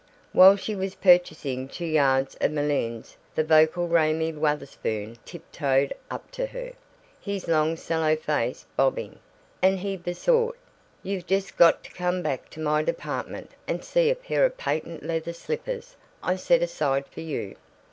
While she was purchasing two yards of malines the vocal Raymie Wutherspoon tiptoed up to her, his long sallow face bobbing, and he besought, "You've just got to come back to my department and see a pair of patent leather slippers I set aside for you."